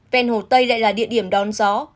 vèn hồ tây lại là địa điểm đón gió